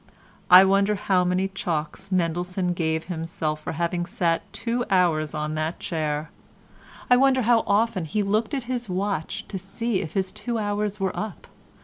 I wonder how many chalks Mendelssohn gave himself for having sat two hours on that chair. I wonder how often he looked at his watch to see if his two hours were up.